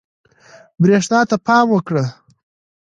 برېښنا ته پام وکړه.